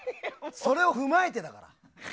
それを踏まえてだから。